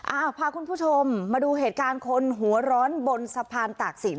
อ่าพาคุณผู้ชมมาดูเหตุการณ์คนหัวร้อนบนสะพานตากศิลป